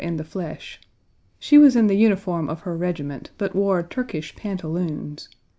Page 83 flesh. She was in the uniform of her regiment, but wore Turkish pantaloons.